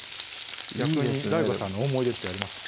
逆にＤＡＩＧＯさんの思い出ってありますか？